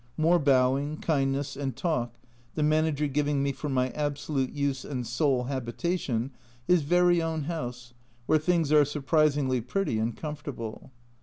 More bowing, kindness, and talk, the Manager giving me for my absolute use and sole habitation his very own house, where things are surprisingly pretty and comfortable.